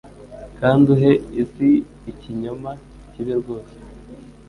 Kandi uhe isi ikinyoma kibi rwose.